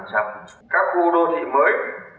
các khu đô thị mới